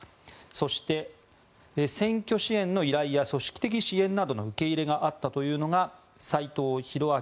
そして選挙支援の依頼や組織的支援などの受け入れがあったというのが斎藤洋明